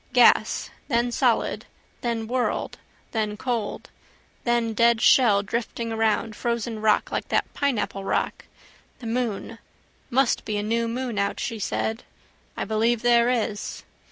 Gas: then solid: then world: then cold: then dead shell drifting around, frozen rock, like that pineapple rock. The moon. Must be a new moon out, she said. I believe there is.